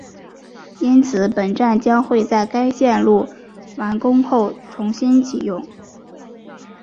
因此本站将会在该线路完工后重新启用